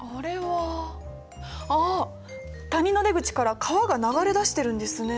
ああ谷の出口から川が流れ出してるんですね。